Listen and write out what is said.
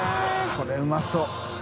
これうまそう。